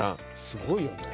すごいよね。